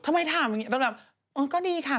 ทำไมถามอย่างนี้แล้วแบบอ๋อก็ดีค่ะ